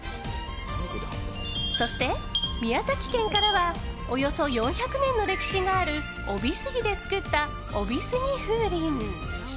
そして、宮崎県からはおよそ４００年の歴史がある飫肥杉で作った飫肥杉風鈴。